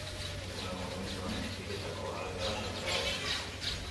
Eguneroko mugimendu honek hirietako garraio-arazoak areagotzen ditu.